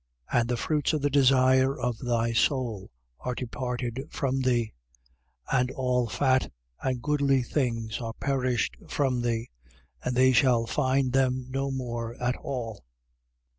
18:14. And the fruits of the desire of thy soul are departed from thee: and all fat and goodly things are perished from thee. And they shall find them no more at all.